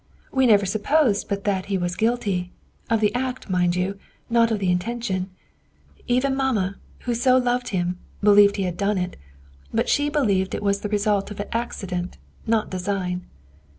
We never supposed but what he was guilty of the act, mind you, not of the intention; even mamma, who so loved him, believed he had done it; but she believed it was the result of accident, not design.